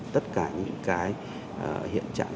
tất cả những cái hiện trạng